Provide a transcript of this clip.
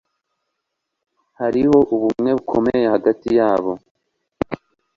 Hariho ubumwe bukomeye bwurukundo hagati yabo.